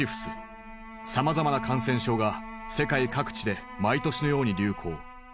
さまざまな感染症が世界各地で毎年のように流行。